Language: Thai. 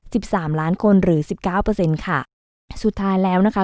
สิบสามล้านคนหรือสิบเก้าเปอร์เซ็นต์ค่ะสุดท้ายแล้วนะคะ